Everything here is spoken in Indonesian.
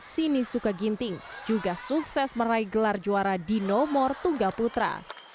sinisuka ginting juga sukses meraih gelar juara di nomor tunggaputra